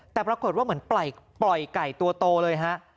แต่ปรากฏว่าเหมือนปล่อยไก่ตัวโตเลยฮะ